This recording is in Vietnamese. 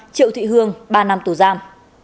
triệu thị hương ba năm tù giam